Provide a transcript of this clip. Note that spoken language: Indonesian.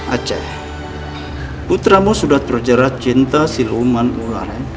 aceh putramu sudah terjerat cinta si luman ular